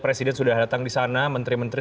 presiden sudah datang di sana menteri menteri